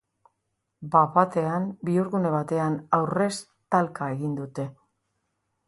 Bat-batean, bihurgune batean aurrez talka egin dute.